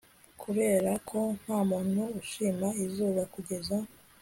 kuberako ntamuntu ushima izuba kugeza